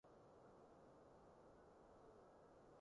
香港真係好靚